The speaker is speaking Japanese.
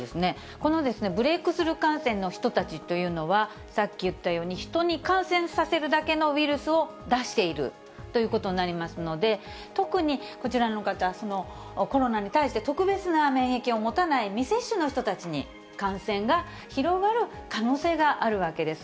このブレークスルー感染の人たちというのは、さっき言ったように、人に感染させるだけのウイルスを出しているということになりますので、特にこちらの方、コロナに対して、特別な免疫を持たない未接種の人たちに、感染が広がる可能性があるわけです。